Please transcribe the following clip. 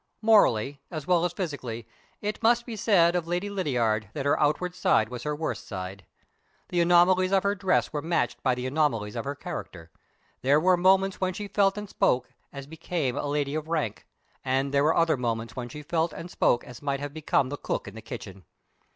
Morally, as well as physically, it must be said of Lady Lydiard that her outward side was her worst side. The anomalies of her dress were matched by the anomalies of her character. There were moments when she felt and spoke as became a lady of rank; and there were other moments when she felt and spoke as might have become the cook in the kitchen.